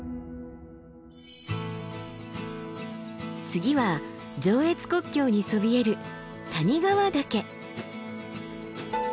次は上越国境にそびえる谷川岳。